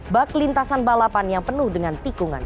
bak lintasan balapan yang penuh dengan tikungan